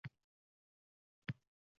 Ritorik savol